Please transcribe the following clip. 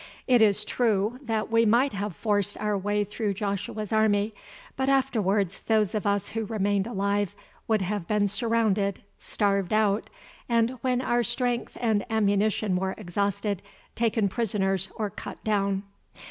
It is true that we might have forced our way through Joshua's army, but afterwards those of us who remained alive would have been surrounded, starved out, and, when our strength and ammunition were exhausted taken prisoners or cut down.